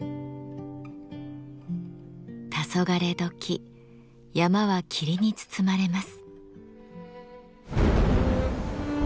たそがれ時山は霧に包まれます。